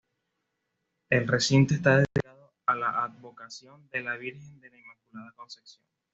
El recinto está dedicado a la advocación de la Virgen de la Inmaculada Concepción.